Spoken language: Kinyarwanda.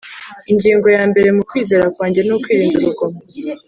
ingingo ya mbere mu kwizera kwanjye ni ukwirinda urugomo.